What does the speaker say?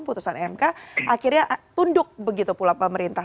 putusan mk akhirnya tunduk begitu pula pemerintah